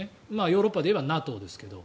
ヨーロッパで言えばＮＡＴＯですけど。